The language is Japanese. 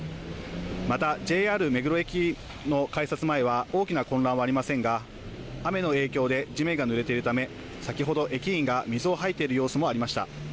またＪＲ目黒駅の改札前は大きな混乱はありませんが雨の影響で地面がぬれているため先ほど駅員が水を掃いている様子もありました。